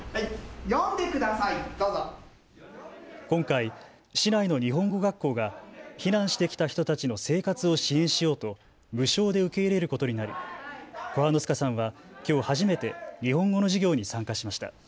今回、市内の日本語学校が避難してきた人たちの生活を支援しようと無償で受け入れることになりコハノスカさんはきょう初めて日本語の授業に参加しました。